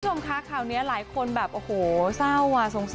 คุณผู้ชมคะข่าวนี้หลายคนแบบโอ้โหเศร้าอ่ะสงสัย